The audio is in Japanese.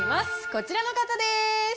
こちらの方です！